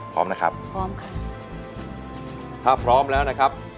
พร้อมนะครับพร้อมค่ะถ้าพร้อมแล้วนะครับ